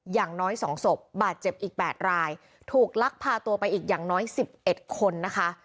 อย่างน้อย๒ศพบาดเจ็บอีก๘รายถูกลักพาตัวไปอีกอย่างน้อย๑๑คนนะคะ